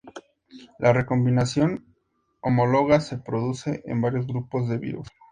La recombinación homóloga se produce en varios grupos de virus.